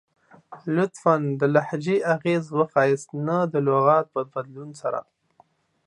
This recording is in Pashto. لطفاً ، د لهجې اغیز وښایست نه د لغات په بدلون سره!